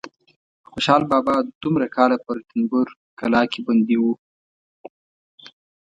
خوشحال بابا دومره کاله په رنتبور کلا کې بندي و.